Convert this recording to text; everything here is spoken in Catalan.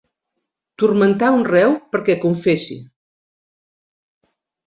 Turmentar un reu perquè confessi.